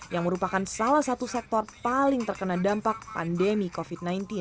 yang merupakan salah satu sektor paling terkena dampak pandemi